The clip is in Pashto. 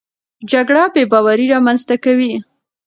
جګړه بېباوري رامنځته کوي.